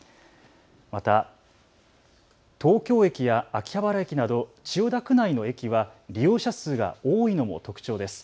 また、東京駅や秋葉原駅など千代田区内の駅は利用者数が多いのも特徴です。